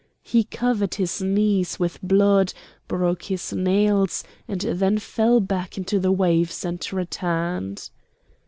He covered his knees with blood, broke his nails, and then fell back into the waves and returned.